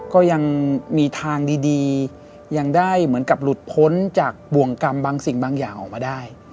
ก็ยังมีทางดียังได้เหมือนกับหลุดพ้นจากบ่วงกรรมบางสิ่งบางอย่างออกมาได้